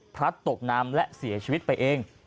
ตกน้ำและเสียชีวิตไปเอง